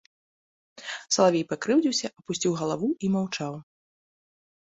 Салавей пакрыўдзіўся, апусціў галаву і маўчаў.